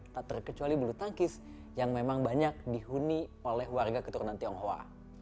tak terkecuali bulu tangkis yang memang banyak dihuni oleh warga keturunan tionghoa